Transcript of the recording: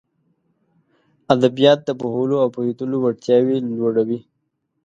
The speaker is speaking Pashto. ادبيات د پوهولو او پوهېدلو وړتياوې لوړوي.